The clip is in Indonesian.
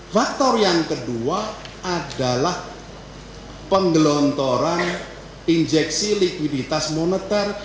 faktor yang kedua adalah penggelontoran injeksi likuiditas moneter